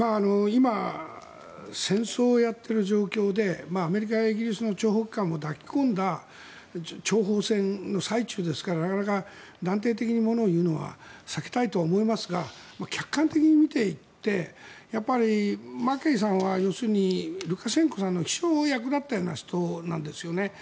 今、戦争をやっている状況でアメリカやイギリスの諜報機関も抱き込んだ諜報戦の最中ですからなかなか断定的にものを言うのは避けたいとは思いますが客観的に見ていってマケイさんは要するにルカシェンコさんの秘書役のような人だったんですよね。